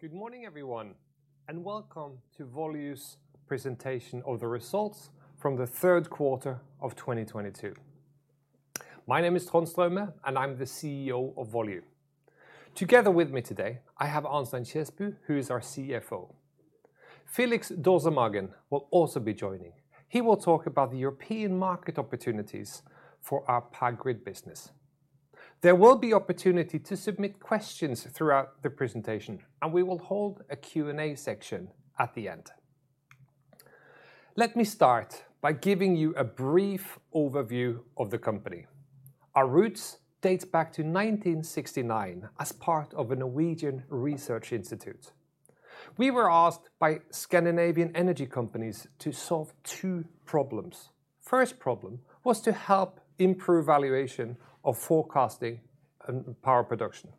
Good morning everyone, and welcome to Volue's presentation of the results from the third quarter of 2022. My name is Trond Straume, and I'm the CEO of Volue. Together with me today, I have Arnstein Kjesbu, who is our CFO. Felix Dörsemagen will also be joining. He will talk about the European market opportunities for our Power Grid business. There will be opportunity to submit questions throughout the presentation, and we will hold a Q&A section at the end. Let me start by giving you a brief overview of the company. Our roots date back to 1969 as part of a Norwegian research institute. We were asked by Scandinavian energy companies to solve two problems. First problem was to help improve valuation of forecasting and power production.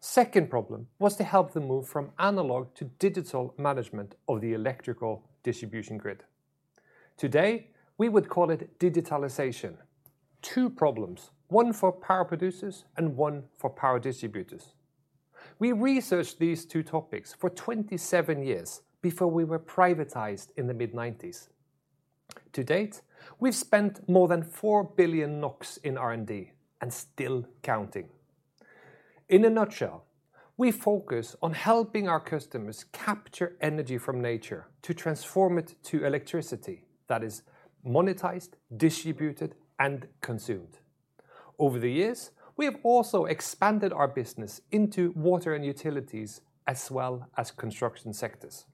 Second problem was to help them move from analog to digital management of the electrical distribution grid. Today, we would call it digitalization. Two problems, one for power producers and one for power distributors. We researched these two topics for 27 years before we were privatized in the mid-1990s. To date, we've spent more than 4 billion NOK in R&D and still counting. In a nutshell, we focus on helping our customers capture energy from nature to transform it to electricity that is monetized, distributed, and consumed. Over the years, we have also expanded our business into water and utilities, as well as construction sectors.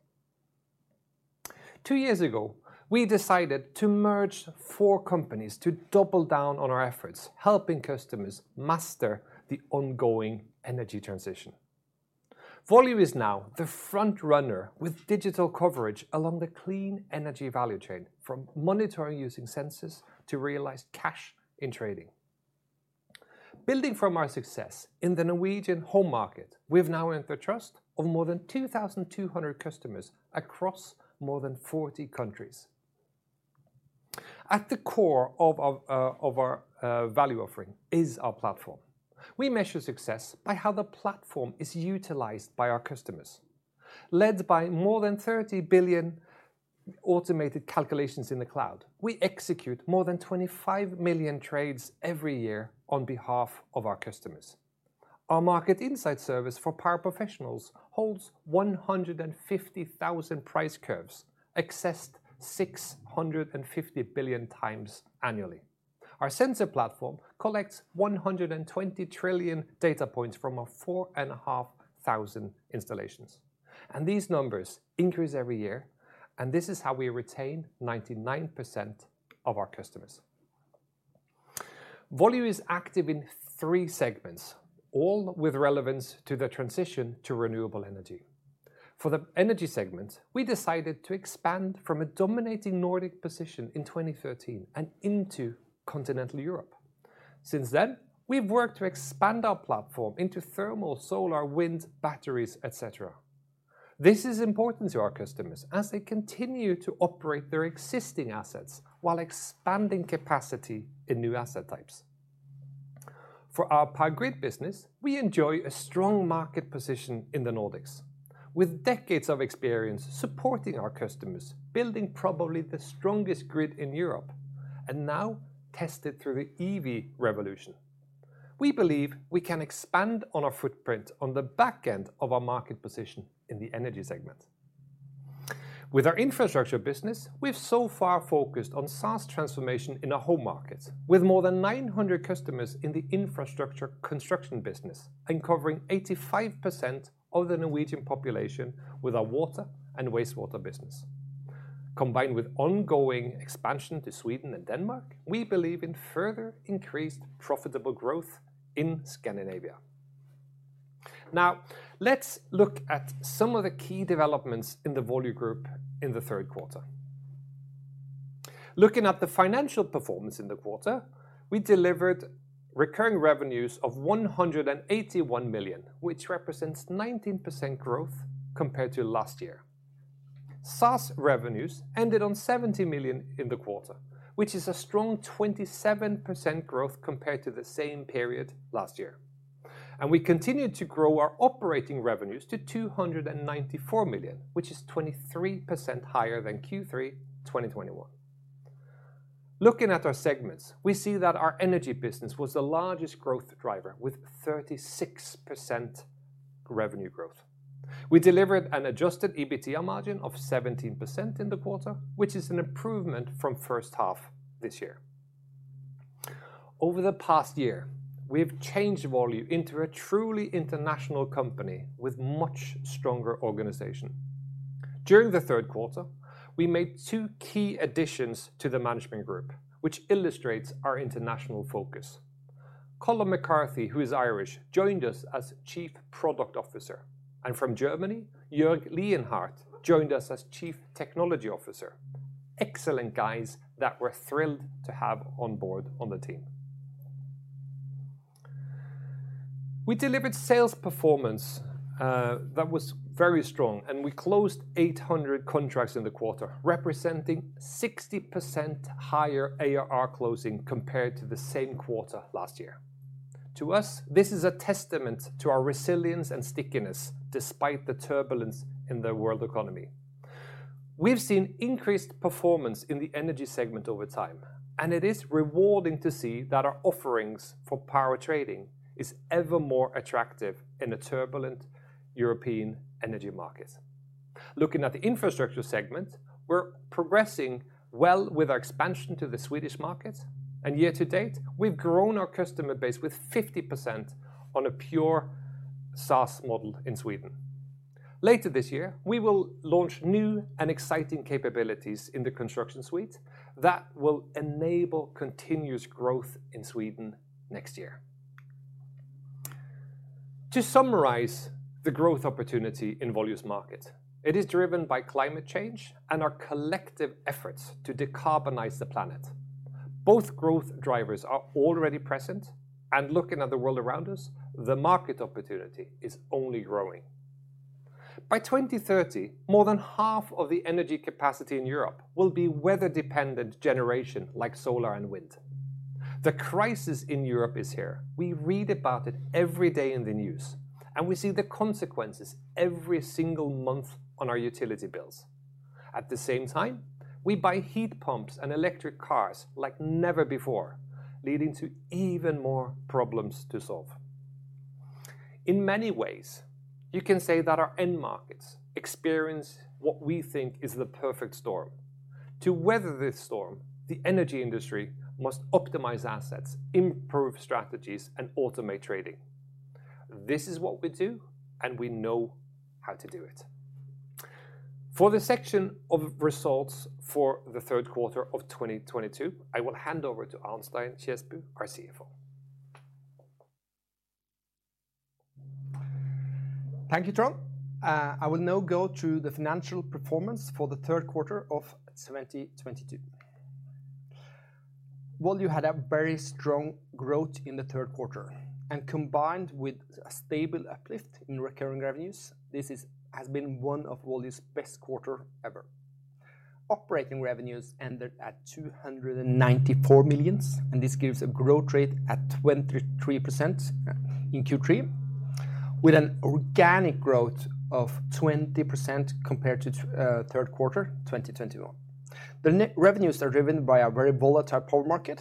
2 years ago, we decided to merge four companies to double down on our efforts, helping customers master the ongoing energy transition. Volue is now the front runner with digital coverage along the clean energy value chain, from monitoring using sensors to realize cash in trading. Building from our success in the Norwegian home market, we've now earned the trust of more than 2,200 customers across more than 40 countries. At the core of our value offering is our platform. We measure success by how the platform is utilized by our customers. Led by more than 30 billion automated calculations in the cloud, we execute more than 25 million trades every year on behalf of our customers. Our market insight service for power professionals holds 150,000 price curves, accessed 650x billion annually. Our sensor platform collects 120 trillion data points from 4,500 installations. These numbers increase every year, and this is how we retain 99% of our customers. Volue is active in three segments, all with relevance to the transition to renewable energy. For the energy segment, we decided to expand from a dominating Nordic position in 2013 and into Continental Europe. Since then, we've worked to expand our platform into thermal, solar, wind, batteries, et cetera. This is important to our customers as they continue to operate their existing assets while expanding capacity in new asset types. For our Power Grid business, we enjoy a strong market position in the Nordics. With decades of experience supporting our customers, building probably the strongest grid in Europe, and now tested through the EV revolution. We believe we can expand on our footprint on the back end of our market position in the energy segment. With our infrastructure business, we've so far focused on SaaS transformation in our home markets with more than 900 customers in the infrastructure construction business and covering 85% of the Norwegian population with our water and wastewater business. Combined with ongoing expansion to Sweden and Denmark, we believe in further increased profitable growth in Scandinavia. Now, let's look at some of the key developments in the Volue Group in the third quarter. Looking at the financial performance in the quarter, we delivered recurring revenues of 181 million, which represents 19% growth compared to last year. SaaS revenues ended on 70 million in the quarter, which is a strong 27% growth compared to the same period last year. We continued to grow our operating revenues to 294 million, which is 23% higher than Q3 2021. Looking at our segments, we see that our energy business was the largest growth driver with 36% revenue growth. We delivered an adjusted EBITDA margin of 17% in the quarter, which is an improvement from first half this year. Over the past year, we have changed Volue into a truly international company with much stronger organization. During the third quarter, we made two key additions to the management group, which illustrates our international focus. Colm McCarthy, who is Irish, joined us as Chief Product Officer, and from Germany, Jörg Lienhardt joined us as Chief Technology Officer. Excellent guys that we're thrilled to have on board on the team. We delivered sales performance that was very strong, and we closed 800 contracts in the quarter, representing 60% higher ARR closing compared to the same quarter last year. To us, this is a testament to our resilience and stickiness despite the turbulence in the world economy. We've seen increased performance in the energy segment over time, and it is rewarding to see that our offerings for power trading is ever more attractive in a turbulent European energy market. Looking at the infrastructure segment, we're progressing well with our expansion to the Swedish market. Year to date, we've grown our customer base with 50% on a pure SaaS model in Sweden. Later this year, we will launch new and exciting capabilities in the construction suite that will enable continuous growth in Sweden next year. To summarize the growth opportunity in Volue's market, it is driven by climate change and our collective efforts to decarbonize the planet. Both growth drivers are already present, and looking at the world around us, the market opportunity is only growing. By 2030, more than half of the energy capacity in Europe will be weather-dependent generation like solar and wind. The crisis in Europe is here. We read about it every day in the news, and we see the consequences every single month on our utility bills. At the same time, we buy heat pumps and electric cars like never before, leading to even more problems to solve. In many ways, you can say that our end markets experience what we think is the perfect storm. To weather this storm, the energy industry must optimize assets, improve strategies, and automate trading. This is what we do, and we know how to do it. For the section of results for the third quarter of 2022, I will hand over to Arnstein Kjesbu, our CFO. Thank you, Trond. I will now go through the financial performance for the third quarter of 2022. Volue had a very strong growth in the third quarter, and combined with a stable uplift in recurring revenues, this has been one of Volue's best quarter ever. Operating revenues ended at 294 million, and this gives a growth rate at 23% in Q3, with an organic growth of 20% compared to third quarter 2021. The net revenues are driven by a very volatile power market,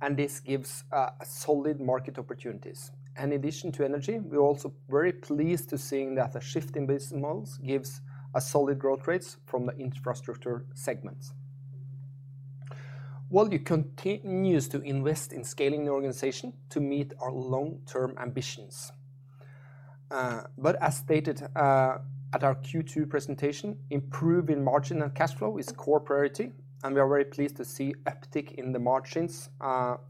and this gives a solid market opportunities. In addition to energy, we're also very pleased to see that the shift in business models gives a solid growth rates from the infrastructure segments. Volue continues to invest in scaling the organization to meet our long-term ambitions. As stated at our Q2 presentation, improving margin and cash flow is core priority, and we are very pleased to see uptick in the margins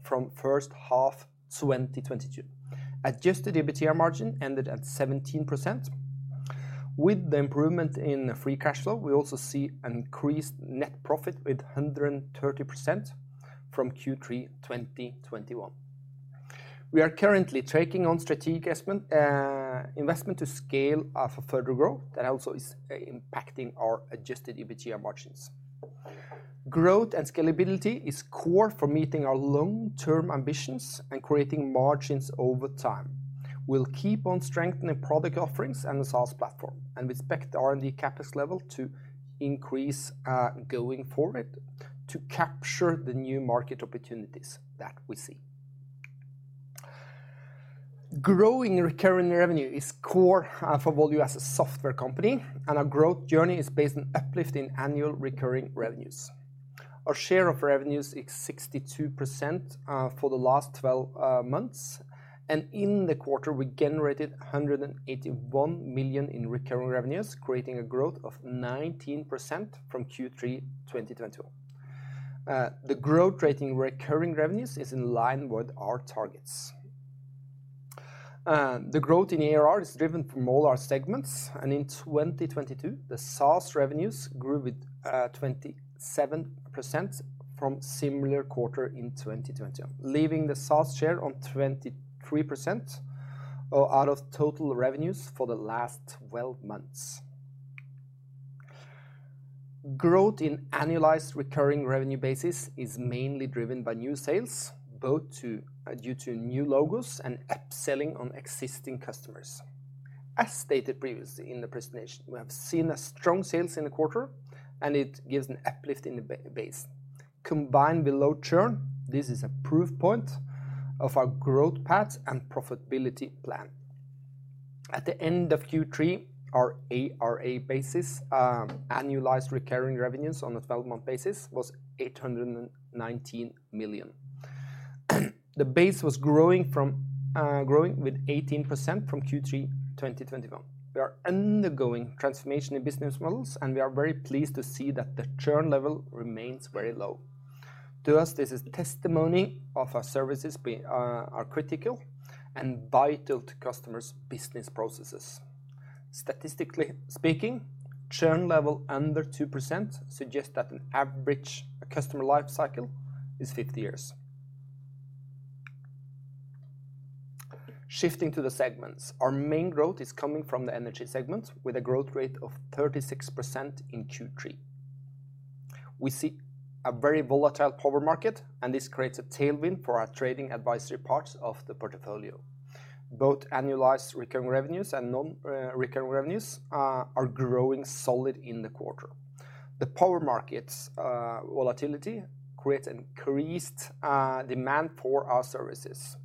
from first half 2022. Adjusted EBITDA margin ended at 17%. With the improvement in free cash flow, we also see increased net profit with 130% from Q3 2021. We are currently taking on strategic investment to scale for further growth. That also is impacting our adjusted EBITDA margins. Growth and scalability is core for meeting our long-term ambitions and creating margins over time. We'll keep on strengthening product offerings and the SaaS platform, and we expect the R&D CapEx level to increase going forward to capture the new market opportunities that we see. Growing recurring revenue is core for Volue as a software company, and our growth journey is based on uplifting annual recurring revenues. Our share of revenues is 62% for the last twelve months, and in the quarter, we generated 181 million in recurring revenues, creating a growth of 19% from Q3 2021. The growth rate in recurring revenues is in line with our targets. The growth in ARR is driven from all our segments, and in 2022, the SaaS revenues grew with 27% from similar quarter in 2021, leaving the SaaS share on 23% out of total revenues for the last twelve months. Growth in annualized recurring revenue basis is mainly driven by new sales, both due to new logos and upselling on existing customers. As stated previously in the presentation, we have seen a strong sales in the quarter, and it gives an uplift in the base. Combined with low churn, this is a proof point of our growth path and profitability plan. At the end of Q3, our ARR basis, annualized recurring revenues on a 12-month basis, was 819 million. The base was growing with 18% from Q3 2021. We are undergoing transformation in business models, and we are very pleased to see that the churn level remains very low. To us, this is testimony of our services are critical and vital to customers' business processes. Statistically speaking, churn level under 2% suggests that an average customer life cycle is 50 years. Shifting to the segments, our main growth is coming from the energy segment with a growth rate of 36% in Q3. We see a very volatile power market, and this creates a tailwind for our trading advisory parts of the portfolio. Both annualized recurring revenues and non-recurring revenues are growing solid in the quarter. The power markets volatility create increased demand for our services.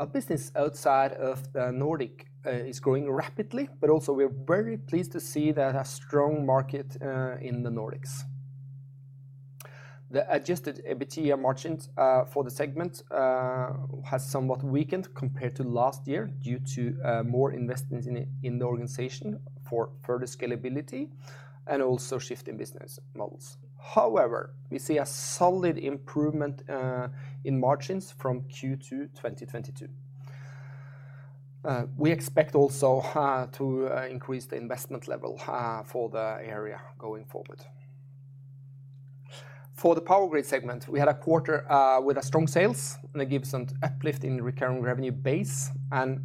Our business outside of the Nordic is growing rapidly, but also we're very pleased to see that a strong market in the Nordics. The adjusted EBITDA margins for the segment has somewhat weakened compared to last year due to more investments in the organization for further scalability and also shift in business models. However, we see a solid improvement in margins from Q2, 2022. We expect also to increase the investment level for the area going forward. For the power grid segment, we had a quarter with a strong sales and it gives some uplift in the recurring revenue base and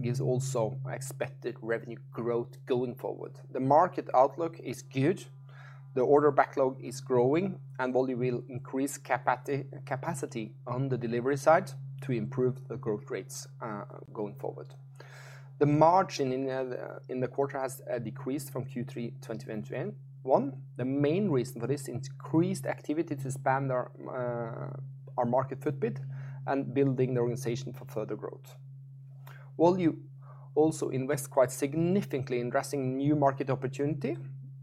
gives also expected revenue growth going forward. The market outlook is good. The order backlog is growing and Volue will increase capacity on the delivery side to improve the growth rates going forward. The margin in the quarter has decreased from Q3, 2021. The main reason for this increased activity to expand our market footprint and building the organization for further growth. Volue also invest quite significantly in addressing new market opportunity,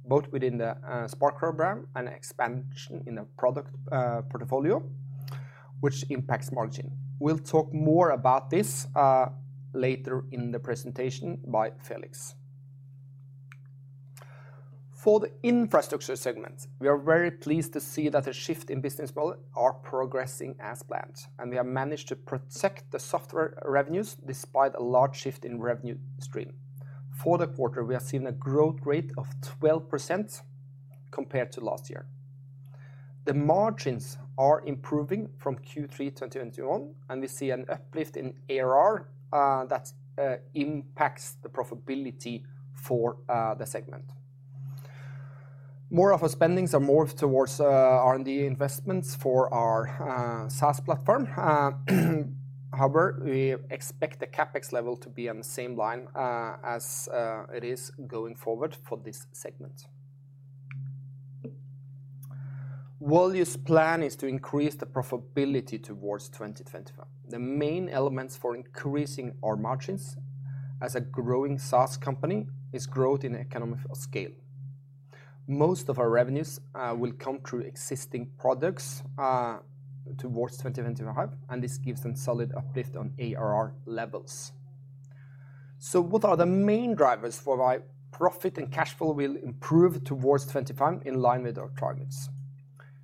both within the Spark program and expansion in the product portfolio, which impacts margin. We'll talk more about this later in the presentation by Felix. For the infrastructure segment, we are very pleased to see that a shift in business model are progressing as planned, and we have managed to protect the software revenues despite a large shift in revenue stream. For the quarter, we have seen a growth rate of 12% compared to last year. The margins are improving from Q3 2021, and we see an uplift in ARR that impacts the profitability for the segment. More of our spendings are more towards R&D investments for our SaaS platform. However, we expect the CapEx level to be on the same line as it is going forward for this segment. Volue's plan is to increase the profitability towards 2025. The main elements for increasing our margins as a growing SaaS company is growth in economies of scale. Most of our revenues will come through existing products towards 2025, and this gives them solid uplift on ARR levels. What are the main drivers for why profit and cash flow will improve towards 2025 in line with our targets?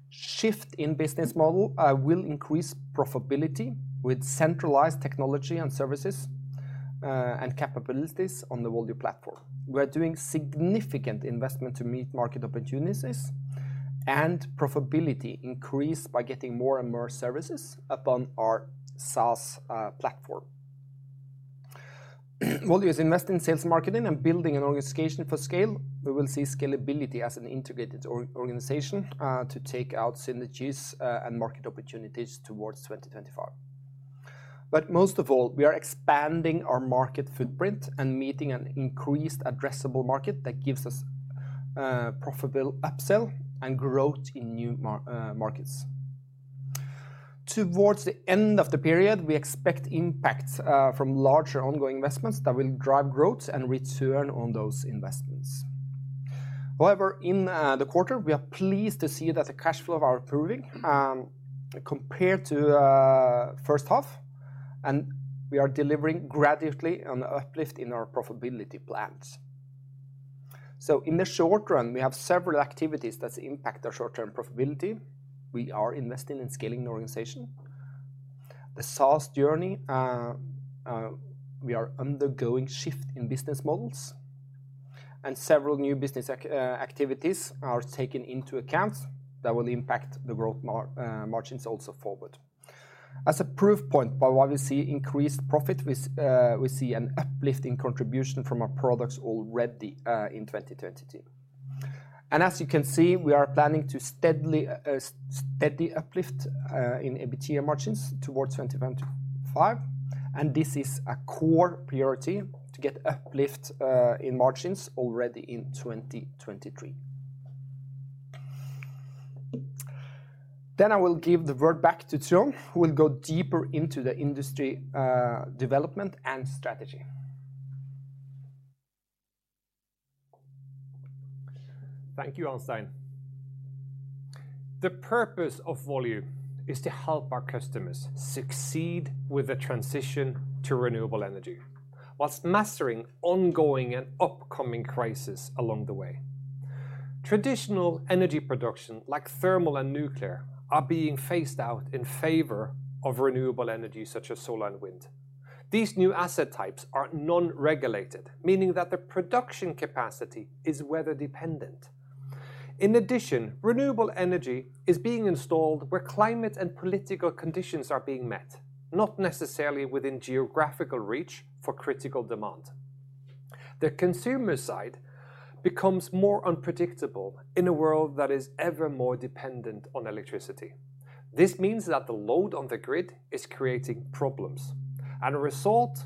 Shift in business model will increase profitability with centralized technology and services and capabilities on the Volue platform. We are doing significant investment to meet market opportunities and profitability increase by getting more and more services upon our SaaS platform. Volue has invested in sales marketing and building an organization for scale. We will see scalability as an integrated organization to take out synergies and market opportunities towards 2025. Most of all, we are expanding our market footprint and meeting an increased addressable market that gives us profitable upsell and growth in new markets. Towards the end of the period, we expect impact from larger ongoing investments that will drive growth and return on those investments. However, in the quarter, we are pleased to see that the cash flow are improving, compared to first half, and we are delivering gradually on the uplift in our profitability plans. In the short run, we have several activities that impact our short-term profitability. We are investing in scaling the organization. The SaaS journey, we are undergoing shift in business models and several new business activities are taken into account that will impact the growth margins also forward. As a proof point by why we see increased profit, we see an uplift in contribution from our products already in 2022. As you can see, we are planning to steady uplift in EBITDA margins towards 2025, and this is a core priority to get uplift in margins already in 2023. I will give the word back to Trond Straume, who will go deeper into the industry development and strategy. Thank you, Arnstein. The purpose of Volue is to help our customers succeed with the transition to renewable energy while mastering ongoing and upcoming crises along the way. Traditional energy production like thermal and nuclear are being phased out in favor of renewable energy such as solar and wind. These new asset types are non-regulated, meaning that the production capacity is weather-dependent. In addition, renewable energy is being installed where climate and political conditions are being met, not necessarily within geographical reach for critical demand. The consumer side becomes more unpredictable in a world that is ever more dependent on electricity. This means that the load on the grid is creating problems, and a result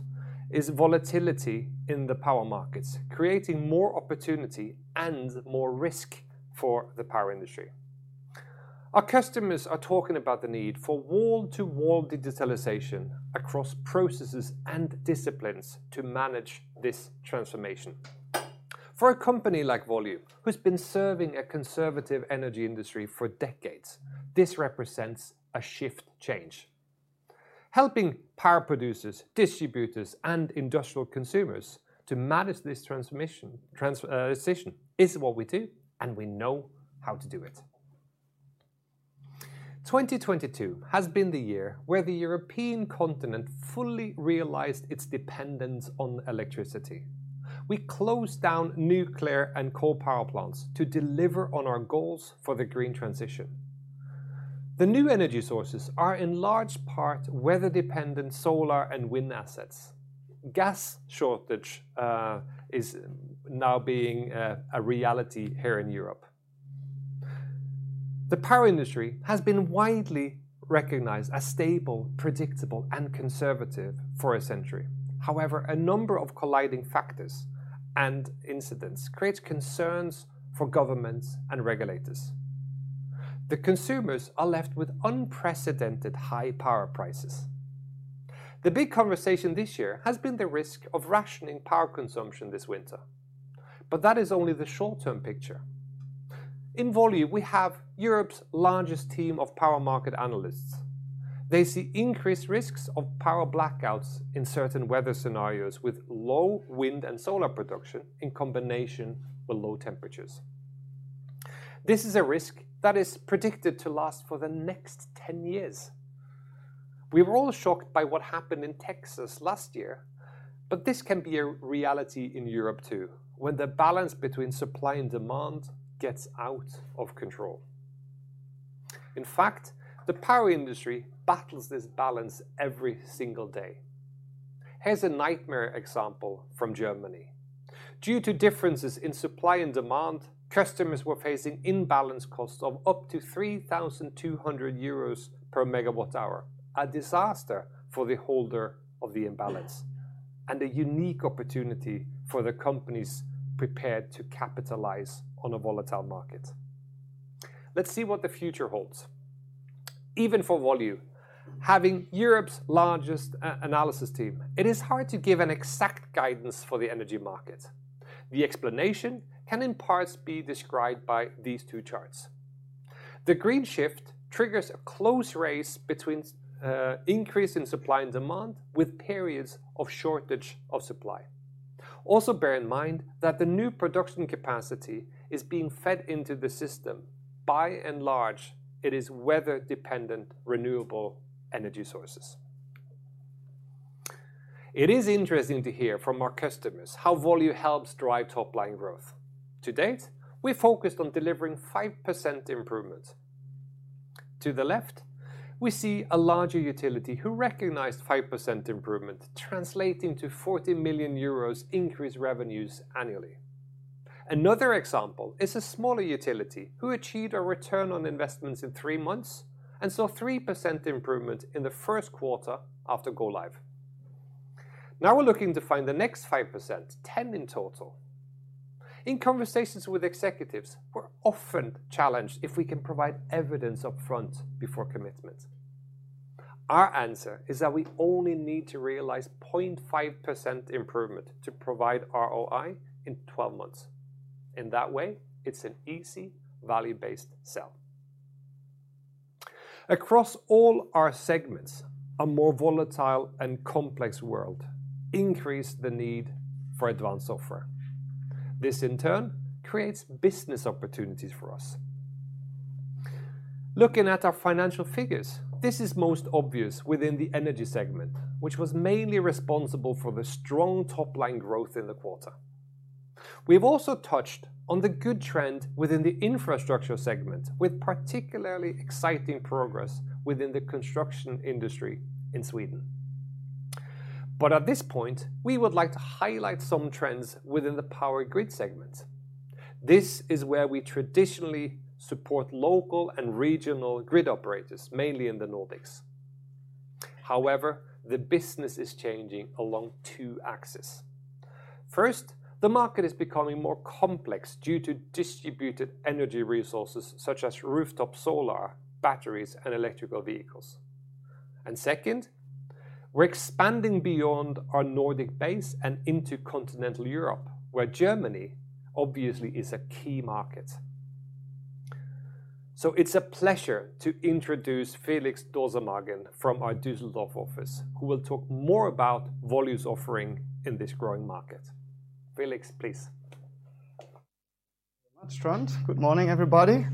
is volatility in the power markets, creating more opportunity and more risk for the power industry. Our customers are talking about the need for wall-to-wall digitalization across processes and disciplines to manage this transformation. For a company like Volue, who's been serving a conservative energy industry for decades, this represents a shift change. Helping power producers, distributors, and industrial consumers to manage this transformation, transition is what we do, and we know how to do it. 2022 has been the year where the European continent fully realized its dependence on electricity. We closed down nuclear and coal power plants to deliver on our goals for the green transition. The new energy sources are in large part weather-dependent solar and wind assets. Gas shortage is now being a reality here in Europe. The power industry has been widely recognized as stable, predictable, and conservative for a century. However, a number of colliding factors and incidents creates concerns for governments and regulators. The consumers are left with unprecedented high power prices. The big conversation this year has been the risk of rationing power consumption this winter, but that is only the short-term picture. In Volue, we have Europe's largest team of power market analysts. They see increased risks of power blackouts in certain weather scenarios with low wind and solar production in combination with low temperatures. This is a risk that is predicted to last for the next 10 years. We were all shocked by what happened in Texas last year, but this can be a reality in Europe too, when the balance between supply and demand gets out of control. In fact, the power industry battles this balance every single day. Here's a nightmare example from Germany. Due to differences in supply and demand, customers were facing imbalance costs of up to 3,200 euros per megawatt hour, a disaster for the holder of the imbalance, and a unique opportunity for the companies prepared to capitalize on a volatile market. Let's see what the future holds. Even for Volue, having Europe's largest analytics team, it is hard to give an exact guidance for the energy market. The explanation can in parts be described by these two charts. The green shift triggers a close race between increase in supply and demand with periods of shortage of supply. Also bear in mind that the new production capacity is being fed into the system. By and large, it is weather-dependent renewable energy sources. It is interesting to hear from our customers how Volue helps drive top-line growth. To date, we focused on delivering 5% improvement. To the left, we see a larger utility who recognized 5% improvement translating to 40 million euros increased revenues annually. Another example is a smaller utility who achieved a return on investments in three months and saw 3% improvement in the first quarter after go live. Now we're looking to find the next 5%, 10 in total. In conversations with executives, we're often challenged if we can provide evidence upfront before commitment. Our answer is that we only need to realize 0.5% improvement to provide ROI in 12 months. In that way, it's an easy value-based sell. Across all our segments, a more volatile and complex world increased the need for advanced software. This in turn creates business opportunities for us. Looking at our financial figures, this is most obvious within the energy segment, which was mainly responsible for the strong top-line growth in the quarter. We've also touched on the good trend within the infrastructure segment, with particularly exciting progress within the construction industry in Sweden. At this point, we would like to highlight some trends within the power grid segment. This is where we traditionally support local and regional grid operators, mainly in the Nordics. However, the business is changing along two axes. First, the market is becoming more complex due to distributed energy resources such as rooftop solar, batteries, and electric vehicles. Second, we're expanding beyond our Nordic base and into continental Europe, where Germany obviously is a key market. It's a pleasure to introduce Felix Dorsemagen from our Düsseldorf office, who will talk more about Volue's offering in this growing market. Felix, please. Thanks, Trond. Good morning, everybody.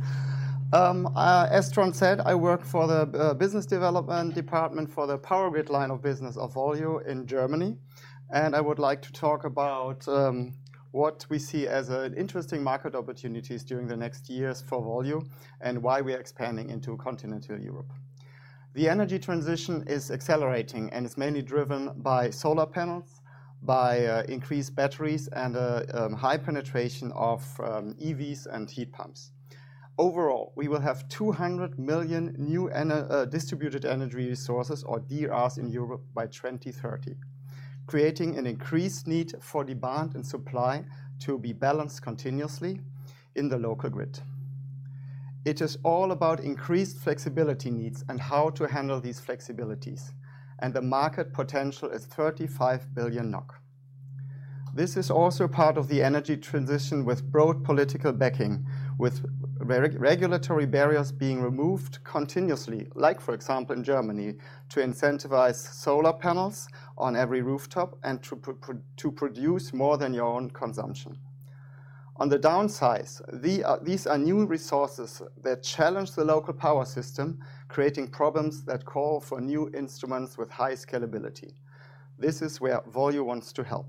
As Trond said, I work for the business development department for the power grid line of business of Volue in Germany, and I would like to talk about what we see as interesting market opportunities during the next years for Volue and why we are expanding into continental Europe. The energy transition is accelerating, and it's mainly driven by solar panels, by increased batteries, and high penetration of EVs and heat pumps. Overall, we will have 200 million new distributed energy resources, or DERs, in Europe by 2030, creating an increased need for demand and supply to be balanced continuously in the local grid. It is all about increased flexibility needs and how to handle these flexibilities, and the market potential is 35 billion NOK. This is also part of the energy transition with broad political backing, with regulatory barriers being removed continuously, like for example in Germany, to incentivize solar panels on every rooftop and to produce more than your own consumption. On the downside, these are new resources that challenge the local power system, creating problems that call for new instruments with high scalability. This is where Volue wants to help.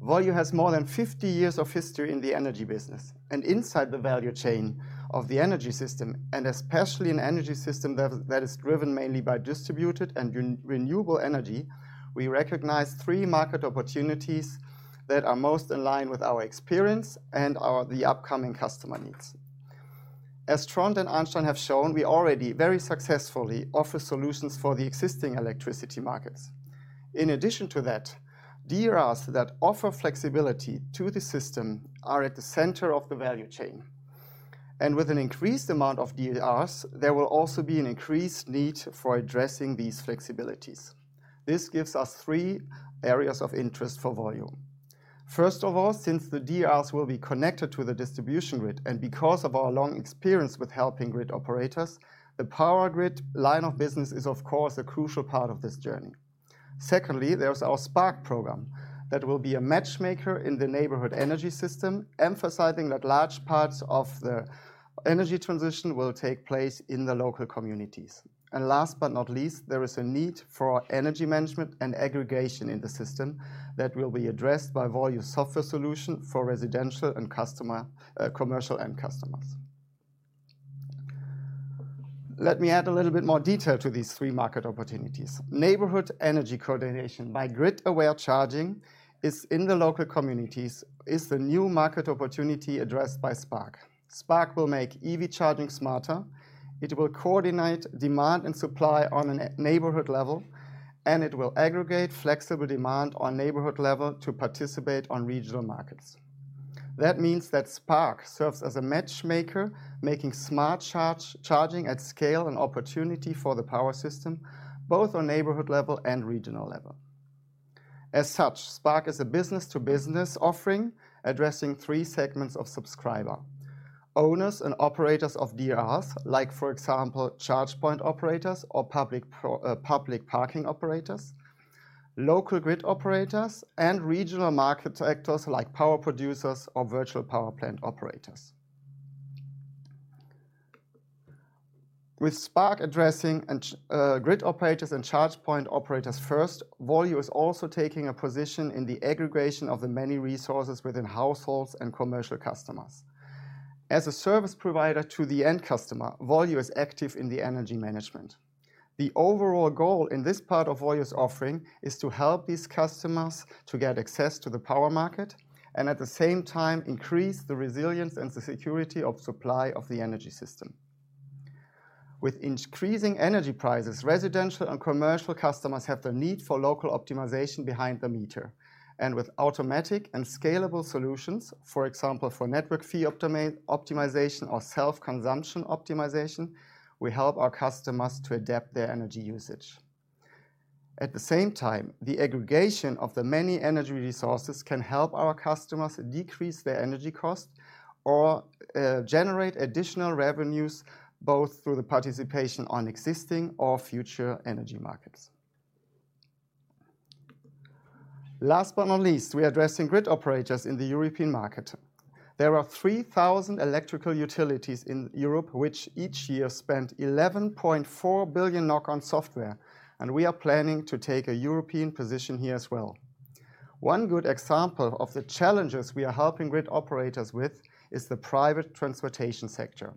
Volue has more than 50 years of history in the energy business. Inside the value chain of the energy system, and especially in energy system that is driven mainly by distributed and renewable energy, we recognize three market opportunities that are most in line with our experience and our the upcoming customer needs. As Trond and Arnstein have shown, we already very successfully offer solutions for the existing electricity markets. In addition to that, DERs that offer flexibility to the system are at the center of the value chain. With an increased amount of DERs, there will also be an increased need for addressing these flexibilities. This gives us three areas of interest for Volue. First of all, since the DERs will be connected to the distribution grid and because of our long experience with helping grid operators, the Power Grid line of business is, of course, a crucial part of this journey. Secondly, there's our Spark program that will be a matchmaker in the neighborhood energy system, emphasizing that large parts of the energy transition will take place in the local communities. Last but not least, there is a need for energy management and aggregation in the system that will be addressed by Volue's software solution for residential and customer, commercial end customers. Let me add a little bit more detail to these three market opportunities. Neighborhood energy coordination by grid-aware charging in the local communities is the new market opportunity addressed by Spark. Spark will make EV charging smarter, it will coordinate demand and supply on a neighborhood level, and it will aggregate flexible demand on neighborhood level to participate on regional markets. That means that Spark serves as a matchmaker, making smart charging at scale an opportunity for the power system, both on neighborhood level and regional level. As such, Spark is a business-to-business offering addressing three segments of subscriber: owners and operators of DERs, like for example charge point operators or public parking operators, local grid operators, and regional market actors like power producers or Virtual Power Plant operators. With Spark addressing and grid operators and charge point operators first, Volue is also taking a position in the aggregation of the many resources within households and commercial customers. As a service provider to the end customer, Volue is active in the energy management. The overall goal in this part of Volue's offering is to help these customers to get access to the power market and at the same time increase the resilience and the security of supply of the energy system. With increasing energy prices, residential and commercial customers have the need for local optimization behind the meter. With automatic and scalable solutions, for example, for network fee optimization or self-consumption optimization, we help our customers to adapt their energy usage. At the same time, the aggregation of the many energy resources can help our customers decrease their energy cost or generate additional revenues both through the participation on existing or future energy markets. Last but not least, we are addressing grid operators in the European market. There are 3,000 electrical utilities in Europe which each year spend 11.4 billion on software, and we are planning to take a European position here as well. One good example of the challenges we are helping grid operators with is the private transportation sector.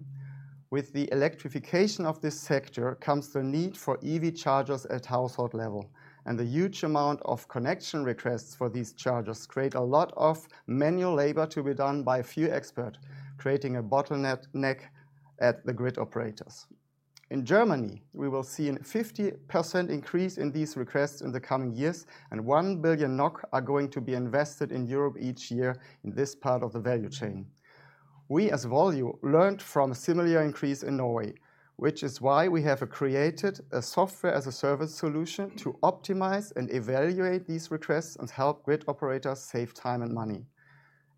With the electrification of this sector comes the need for EV chargers at household level, and the huge amount of connection requests for these chargers create a lot of manual labor to be done by a few experts, creating a bottleneck in the grid operators. In Germany, we will see a 50% increase in these requests in the coming years, and 1 billion NOK are going to be invested in Europe each year in this part of the value chain. We, as Volue, learned from a similar increase in Norway, which is why we have created a software-as-a-service solution to optimize and evaluate these requests and help grid operators save time and money.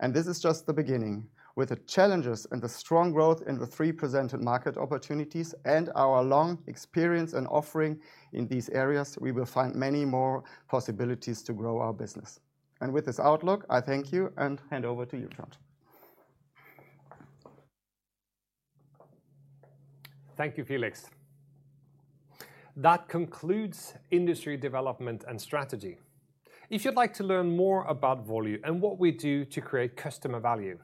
This is just the beginning. With the challenges and the strong growth in the three presented market opportunities and our long experience and offering in these areas, we will find many more possibilities to grow our business. With this outlook, I thank you and hand over to you, Trond. Thank you, Felix. That concludes industry development and strategy. If you'd like to learn more about Volue and what we do to create customer value,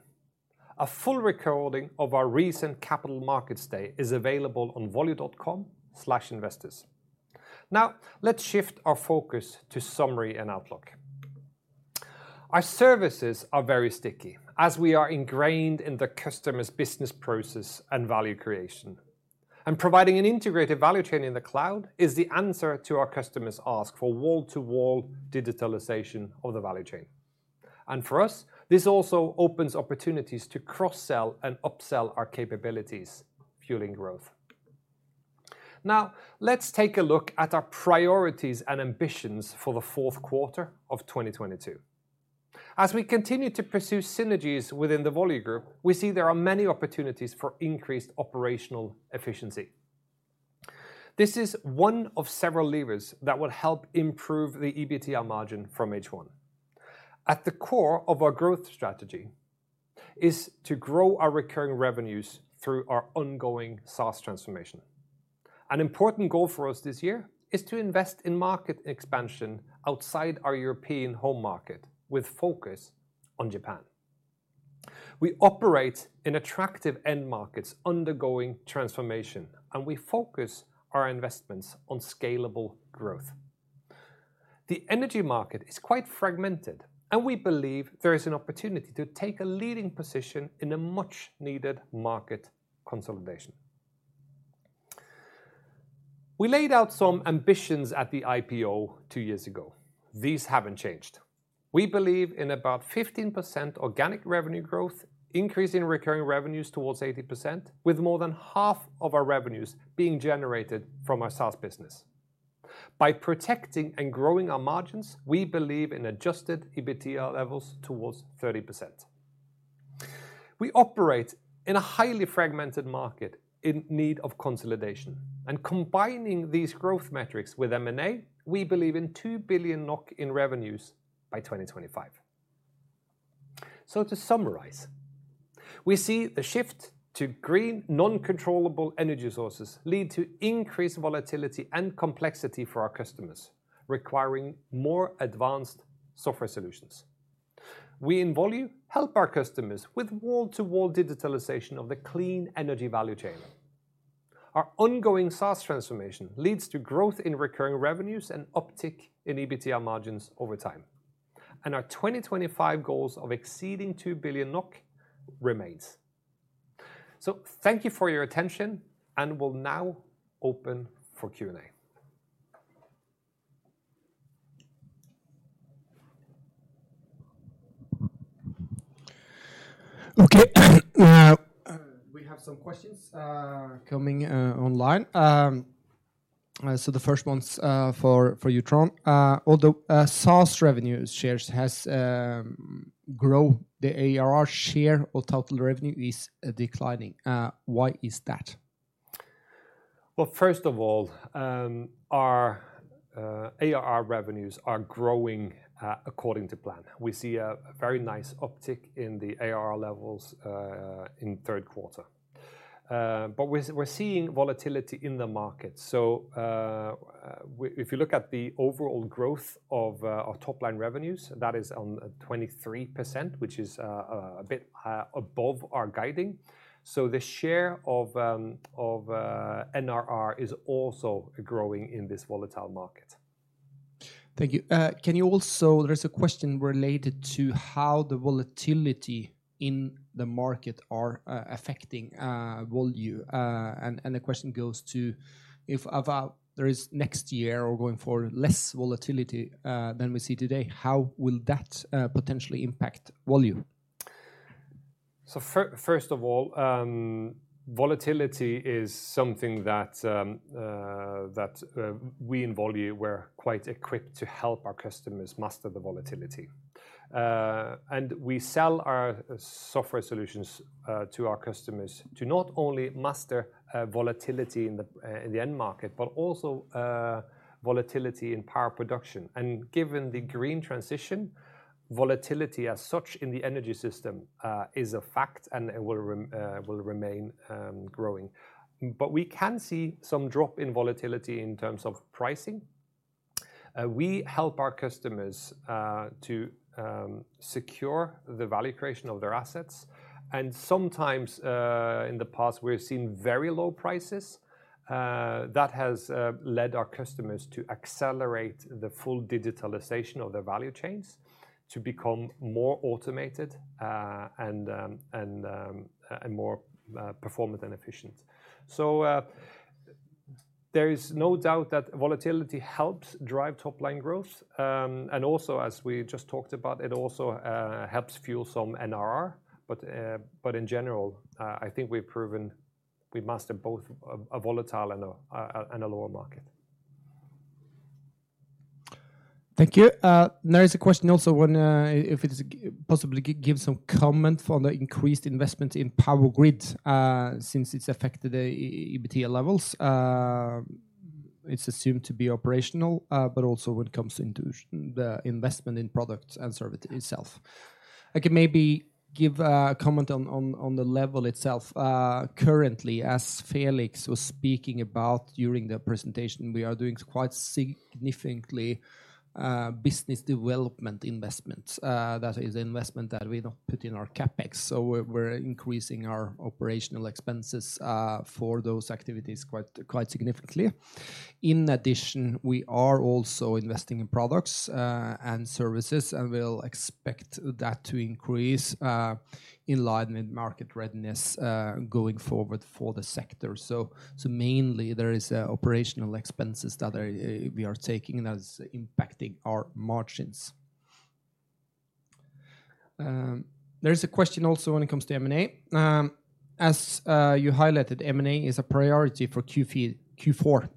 a full recording of our recent capital markets day is available on volue.com/investor-relations. Now, let's shift our focus to summary and outlook. Our services are very sticky as we are ingrained in the customer's business process and value creation. Providing an integrated value chain in the cloud is the answer to our customers' ask for wall-to-wall digitalization of the value chain. For us, this also opens opportunities to cross-sell and upsell our capabilities, fueling growth. Now, let's take a look at our priorities and ambitions for the fourth quarter of 2022. As we continue to pursue synergies within the Volue group, we see there are many opportunities for increased operational efficiency. This is one of several levers that will help improve the EBITDA margin from H1. At the core of our growth strategy is to grow our recurring revenues through our ongoing SaaS transformation. An important goal for us this year is to invest in market expansion outside our European home market with focus on Japan. We operate in attractive end markets undergoing transformation, and we focus our investments on scalable growth. The energy market is quite fragmented, and we believe there is an opportunity to take a leading position in a much-needed market consolidation. We laid out some ambitions at the IPO two years ago. These haven't changed. We believe in about 15% organic revenue growth, increase in recurring revenues towards 80%, with more than half of our revenues being generated from our SaaS business. By protecting and growing our margins, we believe in adjusted EBITDA levels towards 30%. We operate in a highly fragmented market in need of consolidation, and combining these growth metrics with M&A, we believe in 2 billion NOK in revenues by 2025. To summarize, we see the shift to green non-controllable energy sources lead to increased volatility and complexity for our customers, requiring more advanced software solutions. We in Volue help our customers with wall-to-wall digitalization of the clean energy value chain. Our ongoing SaaS transformation leads to growth in recurring revenues and uptick in EBITDA margins over time. Our 2025 goals of exceeding 2 billion NOK remains. Thank you for your attention and we'll now open for Q&A. Okay. We have some questions coming online. The first one's for you, Trond. Although SaaS revenue shares has grown, the ARR share of total revenue is declining. Why is that? Well, first of all, our ARR revenues are growing according to plan. We see a very nice uptick in the ARR levels in third quarter. We're seeing volatility in the market. If you look at the overall growth of our top line revenues, that is on 23%, which is a bit above our guidance. The share of NRR is also growing in this volatile market. Thank you. Can you also. There's a question related to how the volatility in the market are affecting Volue. The question goes to if there is next year or going forward, less volatility than we see today, how will that potentially impact Volue? First of all, volatility is something that we in Volue we're quite equipped to help our customers master the volatility. We sell our software solutions to our customers to not only master volatility in the end market, but also volatility in power production. Given the green transition, volatility as such in the energy system is a fact and it will remain growing. We can see some drop in volatility in terms of pricing. We help our customers to secure the value creation of their assets. Sometimes, in the past, we've seen very low prices that has led our customers to accelerate the full digitalization of their value chains to become more automated and more performant and efficient. There is no doubt that volatility helps drive top-line growth. As we just talked about, it also helps fuel some NRR. But in general, I think we've proven we master both a volatile and a lower market. Thank you. There is a question also when, if it is possible to give some comment on the increased investment in power grid, since it's affected the EBITDA levels. It's assumed to be operational, but also when it comes into the investment in products and services itself. I can maybe give a comment on the level itself. Currently, as Felix was speaking about during the presentation, we are doing quite significantly business development investments. That is investment that we don't put in our CapEx. We're increasing our operational expenses for those activities quite significantly. In addition, we are also investing in products and services, and we'll expect that to increase in line with market readiness going forward for the sector. Mainly, there is operational expenses we are taking that's impacting our margins. There is a question also when it comes to M&A. As you highlighted, M&A is a priority for Q4.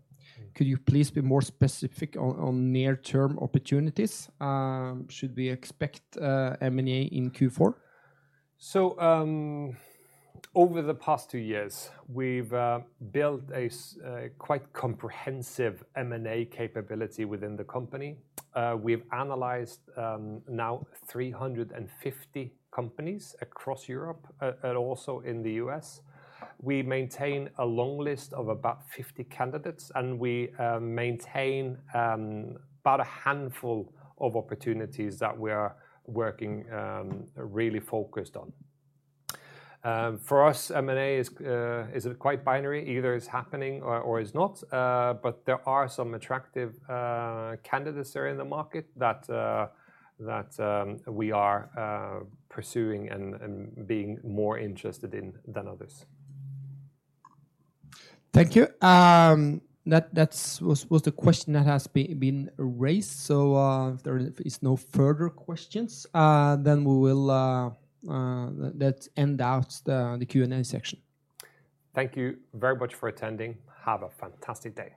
Could you please be more specific on near-term opportunities? Should we expect M&A in Q4? Over the past two years, we've built a quite comprehensive M&A capability within the company. We've analyzed now 350 companies across Europe and also in the U.S. We maintain a long list of about 50 candidates, and we maintain about a handful of opportunities that we are working really focused on. For us, M&A is quite binary, either it's happening or is not. There are some attractive candidates there in the market that we are pursuing and being more interested in than others. Thank you. That was the question that has been raised. If there is no further questions, then let's end the Q&A section. Thank you very much for attending. Have a fantastic day.